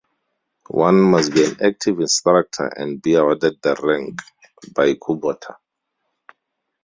One must be an active instructor and be awarded the rank by Kubota.